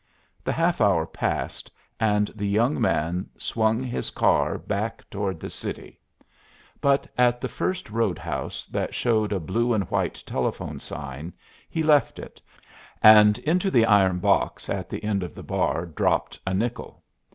The half hour passed and the young man swung his car back toward the city. But at the first roadhouse that showed a blue and white telephone sign he left it, and into the iron box at the end of the bar dropped a nickel.